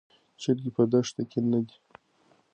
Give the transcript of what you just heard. چرګې په دښت کې نه دي.